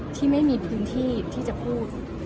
ที่ไม่มีพื้นที่ที่จะพูด